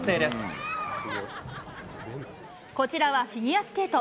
こちらはフィギュアスケート。